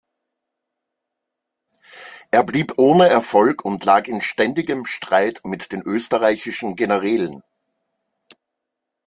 Er blieb ohne Erfolg und lag in ständigem Streit mit den österreichischen Generälen.